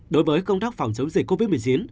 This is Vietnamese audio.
đối với công tác phòng chống dịch covid một mươi chín